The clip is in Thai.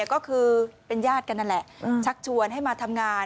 ก็คือเป็นญาติกันนั่นแหละชักชวนให้มาทำงาน